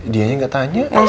dianya gak tanya